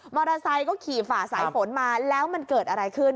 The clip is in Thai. อเตอร์ไซค์ก็ขี่ฝ่าสายฝนมาแล้วมันเกิดอะไรขึ้น